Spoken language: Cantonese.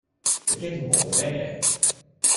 你驚條毛咩